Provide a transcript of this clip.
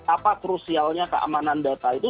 apa krusialnya keamanan data itu